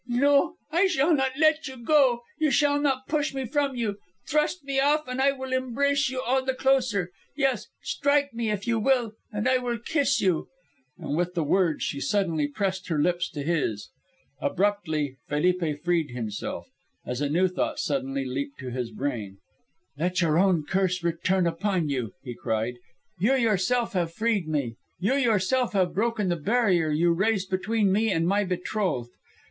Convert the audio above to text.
"No, I shall not let you go. You shall not push me from you! Thrust me off and I will embrace you all the closer. Yes, strike me if you will, and I will kiss you." And with the words she suddenly pressed her lips to his. Abruptly Felipe freed himself. A new thought suddenly leaped to his brain. "Let your own curse return upon you," he cried. "You yourself have freed me; you yourself have broken the barrier you raised between me and my betrothed.